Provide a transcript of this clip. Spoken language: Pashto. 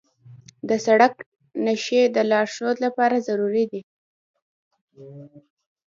د سړک نښې د لارښود لپاره ضروري دي.